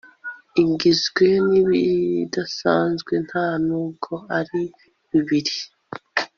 Igizwe nibidasanzwe nta nubwo ari bibiri